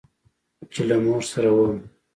چې له مور سره وم.